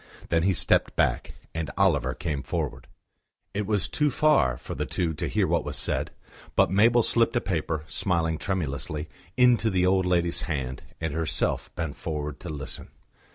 Then he stepped back, and Oliver came forward. It was too far for the two to hear what was said, but Mabel slipped a paper, smiling tremulously, into the old lady's hand, and herself bent forward to listen.